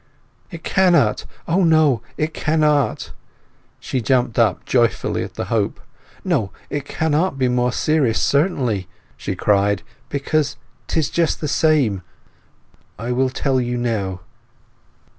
"It cannot—O no, it cannot!" She jumped up joyfully at the hope. "No, it cannot be more serious, certainly," she cried, "because 'tis just the same! I will tell you now."